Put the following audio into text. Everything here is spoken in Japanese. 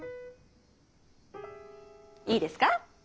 いいですか。